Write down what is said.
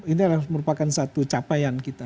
ini merupakan satu capaian kita